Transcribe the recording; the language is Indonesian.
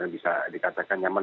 bisa dikatakan nyaman